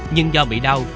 nhưng do bị đau